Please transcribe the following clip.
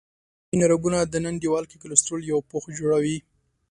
د وینې رګونو دننه دیوال کې کلسترول یو پوښ جوړوي.